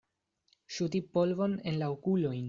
Ŝuti polvon en la okulojn.